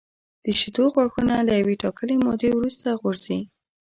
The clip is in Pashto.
د شېدو غاښونه له یوې ټاکلې مودې وروسته غورځي.